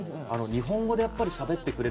日本語でしゃべってくれる。